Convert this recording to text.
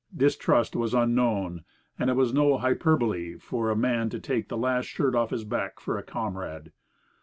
Distrust was unknown, and it was no hyperbole for a man to take the last shirt off his back for a comrade.